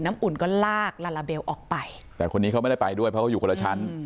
อุ่นก็ลากลาลาเบลออกไปแต่คนนี้เขาไม่ได้ไปด้วยเพราะเขาอยู่คนละชั้น